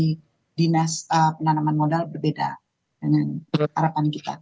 cuma memang pertimbangan dari dinas penanaman modal berbeda dengan harapan kita